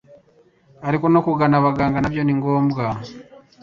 ariko no kugana abaganga na byo ni ngombwa.